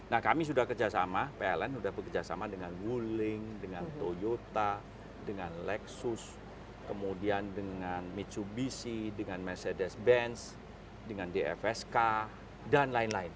nah kami sudah bekerja sama pln sudah bekerja sama dengan wuling dengan toyota dengan lexus kemudian dengan mitsubishi dengan mercedes benz dengan dfs k dan lain lain